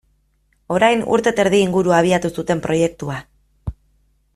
Orain urte eta erdi inguru abiatu zuten proiektua.